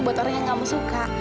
buat orang yang kamu suka